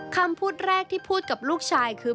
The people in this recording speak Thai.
คำพูดแรกที่พูดกับลูกชายคือ